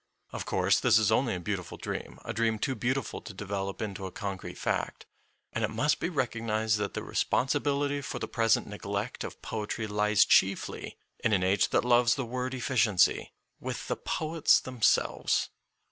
Of course, this is only a beautiful dream, a dream too beautiful to develop into a con crete fact. And it must be recognized that the responsibility for the present neglect of poetry lies chiefly, in an age that loves the word efficiency, with the poets themselves.